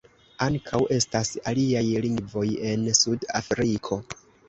Ankaŭ estas aliaj lingvoj en Sud-Afriko.